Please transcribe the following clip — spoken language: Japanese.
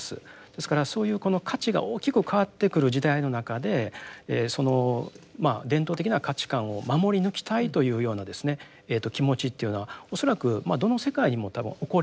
ですからそういうこの価値が大きく変わってくる時代の中でその伝統的な価値観を守り抜きたいというような気持ちというのは恐らくどの世界にも多分起こりうるということですよね。